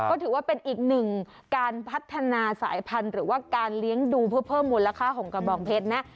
ก็ถือว่าเป็นอีกหนึ่งการพัฒนาสายพันธุ์หรือว่าการเลี้ยงดูเพื่อเพิ่มมูลค่าของกระบองเพชรนะ